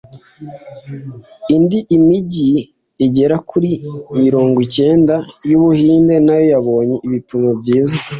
Indi mijyi igera kuri mirongwicyenda y'Ubuhinde nayo yabonye ibipimo byiza